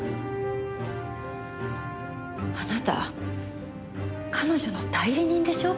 あなた彼女の代理人でしょ？